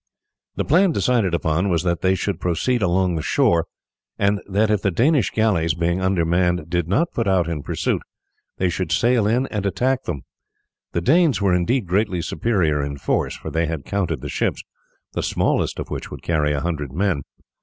The plan decided upon was that they should proceed along the shore, and that if the Danish galleys, being undermanned, did not put out in pursuit, they should sail in and attack them. The Danes were indeed greatly superior in force, for they had counted the ships, the smallest of which would carry a hundred men.